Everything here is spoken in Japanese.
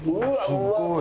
すごい。